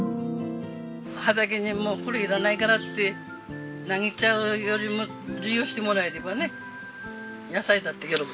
畑にも「これいらないから」って投げちゃうよりも利用してもらえればね野菜だって喜ぶ。